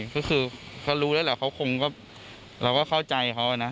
ก็คือเขารู้แล้วแหละเขาคงเราก็เข้าใจเขานะ